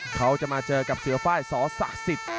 เขาจะมาเจอกับเสือฟ้ายสอสักศิษย์